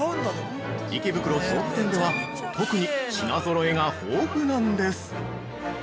池袋東武店では特に品ぞろえが豊富なんです。